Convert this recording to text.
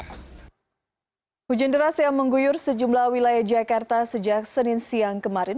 hujan deras yang mengguyur sejumlah wilayah jakarta sejak senin siang kemarin